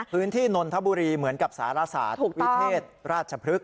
พื้นที่นนทบุรีเหมือนกับศาลศาสตร์วิเทศราชพฤกษ์